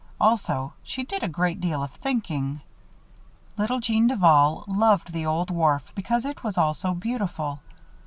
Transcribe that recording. Also, she did a great deal of thinking. Little Jeanne Duval loved the old wharf because it was all so beautiful.